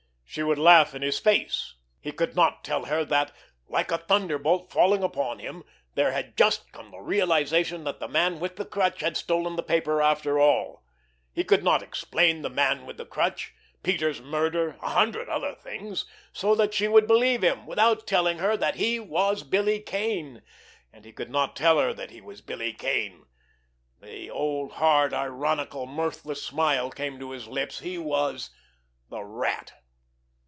She would laugh in his face! He could not tell her that, like a thunderbolt falling upon him, there had just come the realization that the Man with the Crutch had stolen the paper after all. He could not explain the Man with the Crutch, Peters' murder, a hundred other things, so that she would believe him, without telling her that he was Billy Kane. And he could not tell her that he was Billy Kane! The old, hard, ironical, mirthless smile came to his lips. He was—the Rat!